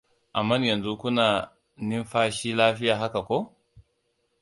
amman yanzu kuna ninfashi lafiya haka ko?